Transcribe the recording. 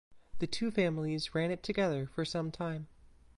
The two families ran it together for some time.